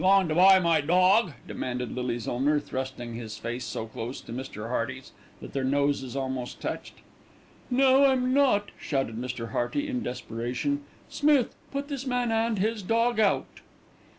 "You goin' to buy my dawg?" demanded Lily's owner, thrusting his face so close to Mr. Hearty's that their noses almost touched. "No, I'm not," shouted Mr. Hearty in desperation. "Smith, put this man and his dog out."